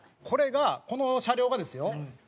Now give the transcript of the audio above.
これがこの車両がですよ